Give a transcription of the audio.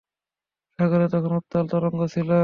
সাগরে তখন উত্তাল তরঙ্গ ছিল।